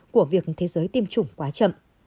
của việc thế giới tiêm chủng quá chậm